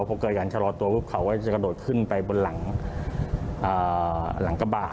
พอเกิดการชะลอตัวปุ๊บเขาก็จะกระโดดขึ้นไปบนหลังกระบะ